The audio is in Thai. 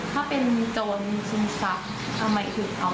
แค่ต้องเอาชีวิตกันด้วย